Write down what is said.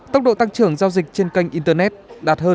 tốc độ tăng trưởng giao dịch trên kênh internet đạt hơn năm mươi